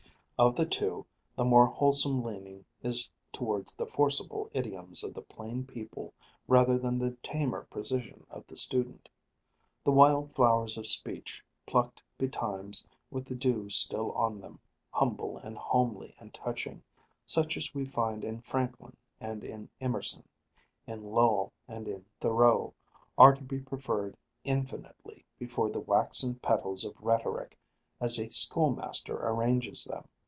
Of the two, the more wholesome leaning is towards the forcible idioms of the plain people rather than the tamer precision of the student. The wild flowers of speech, plucked betimes with the dew still on them, humble and homely and touching, such as we find in Franklin and in Emerson, in Lowell and in Thoreau, are to be preferred infinitely before the waxen petals of rhetoric as a school master arranges them.